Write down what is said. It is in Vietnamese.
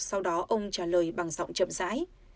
sau đó ông trả lời bằng giọng chậm rãi